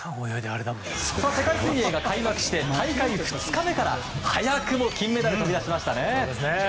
世界水泳が開幕して大会２日目から早くも金メダルが飛び出しましたね。